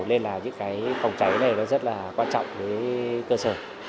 nên là những cái phòng cháy này nó rất là quan trọng với cơ sở